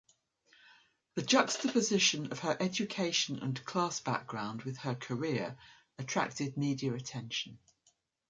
The juxtaposition of her education and class background with her career attracted media attention.